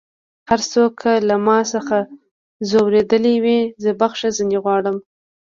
هر څوک که له ما څخه ځؤرېدلی وي زه بخښنه ځينې غواړم